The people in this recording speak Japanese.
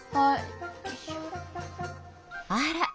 あら。